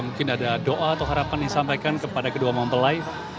mungkin ada doa atau harapan yang disampaikan kepada kedua mempelai